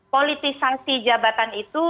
politisasi jabatan itu